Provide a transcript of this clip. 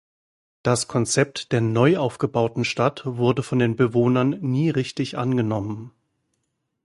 Das Konzept der neu aufgebauten Stadt wurde von den Bewohnern nie richtig angenommen.